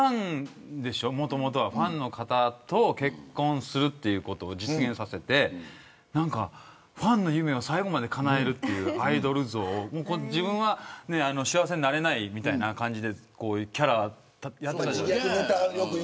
もともとはファンの方と結婚するということを実現させてファンの夢を最後までかなえるというアイドル像を自分は幸せになれないみたいな感じのキャラだったじゃないですか。